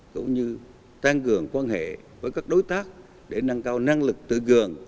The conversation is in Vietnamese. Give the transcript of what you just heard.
cũng như tăng cường quan hệ với các đối tác để nâng cao năng lực tự cường